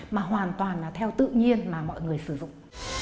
mà hoàn toàn là theo tự nhiên mà mọi người sử dụng